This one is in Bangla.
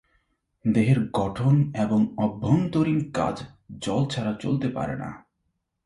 দেহের গঠন এবং অভ্যন্তরীণ কাজ জল ছাড়া চলতে পারে না।